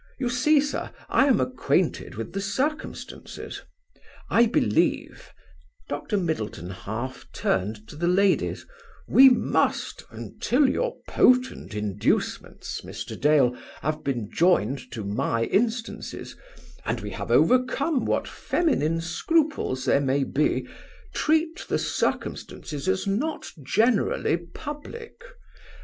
You see, sir, I am acquainted with the circumstances. I believe," Dr. Middleton half turned to the ladies, "we must, until your potent inducements, Mr. Dale, have been joined to my instances, and we overcome what feminine scruples there may be, treat the circumstances as not generally public.